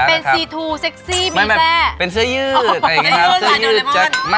มันไม่ได้ขายแค่หน้าตานะคุณผู้ชม